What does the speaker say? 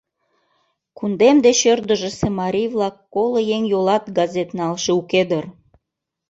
Кундем деч ӧрдыжысӧ марий-влак коло еҥ йолат газет налше уке дыр?